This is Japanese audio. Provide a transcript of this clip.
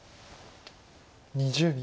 ２０秒。